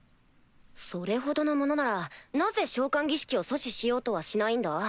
それほどの者ならなぜ召喚儀式を阻止しようとはしないんだ？